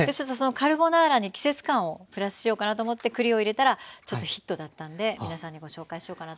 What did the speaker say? カルボナーラに季節感をプラスしようかなと思って栗を入れたらちょっとヒットだったんで皆さんにご紹介しようかなと思います。